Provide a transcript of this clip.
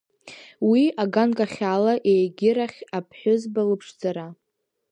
Уи аганкахьала, егьирахь аԥҳәызба лыԥшӡара.